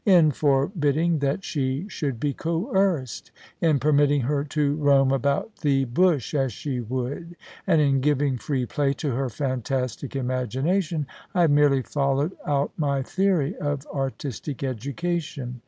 In forbidding that she should be coerced ; in permitting her to roam about the bush as she would, and in giving free play to her fantastic imagination, I have merely followed out my theory of artistic education.